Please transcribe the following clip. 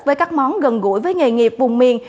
với các món gần gũi với nghề nghiệp vùng miền